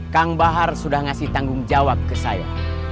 kang bahar sudah ngasih tanggung jawab ke saya